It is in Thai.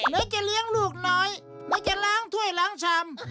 หรือจะเลี้ยงลูกน้อยหรือจะล้างถ้วยล้างชาม